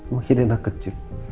mungkin anak kecil